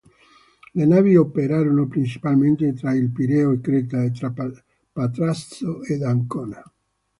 Le navi operarono principalmente tra il Pireo e Creta o tra Patrasso ed Ancona.